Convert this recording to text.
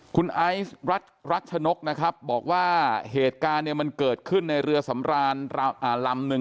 คุณไอซ์รักชนกนะครับบอกว่าเหตุการณ์เนี่ยมันเกิดขึ้นในเรือสำรานลำนึง